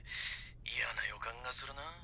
嫌な予感がするなぁ。